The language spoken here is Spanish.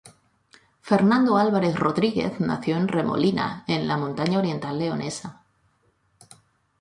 Fernando Álvarez Rodríguez nació en Remolina, en la montaña oriental leonesa.